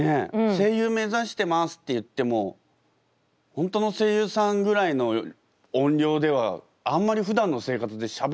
「声優めざしてます」って言っても本当の声優さんぐらいの音量ではあんまりふだんの生活でしゃべらないですもんね。